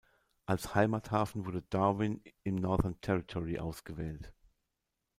Als Heimathafen wurde Darwin im Northern Territory ausgewählt.